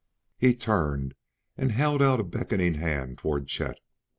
He turned and held out a beckoning hand toward Chet.